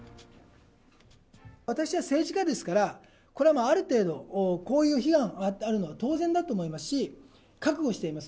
私は政治家ですから、これはある程度、こういう批判があるのは当然だと思いますし、覚悟しています。